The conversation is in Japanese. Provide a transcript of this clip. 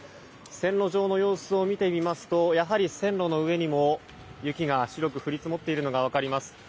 線路上の様子を見てみますとやはり、線路の上にも雪が白く降り積もっているのが分かります。